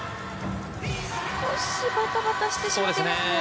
少しバタバタしてしまっていますね。